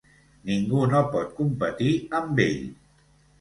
Ningú no pot competir amb ell.